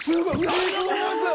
ありがとうございます。